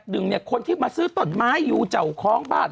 หนึ่งเนี่ยคนที่มาซื้อต้นไม้อยู่เจ้าของบ้าน